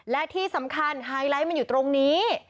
และที่สำคัญไฮไลท์มันอยู่ตรงนี้